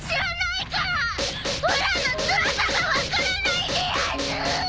おらのつらさが分からないでやんす！